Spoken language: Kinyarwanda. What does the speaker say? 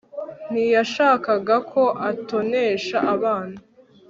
ntiyashakaga ko atonesha abana